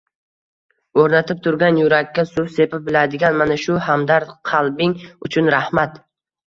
O‘rtanib turgan yurakka suv sepa biladigan mana shu hamdard qalbing uchun rahmat.